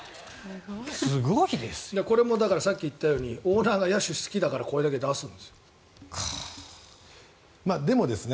これもさっき言ったようにオーナーが野手好きだからこれだけ出すんですよ。